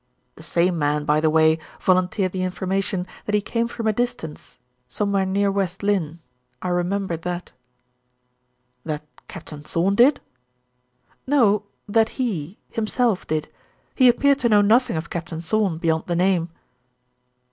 The same man, by the way, volunteered the information that he came from a distance; somewhere near West Lynne; I remember that." "That Captain Thorn did?" "No that he, himself did. He appeared to know nothing of Captain Thorn, beyond the name."